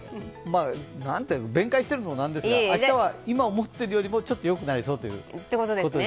弁解するのもなんですが、今思っているよりもちょっとよくなりそうということですね。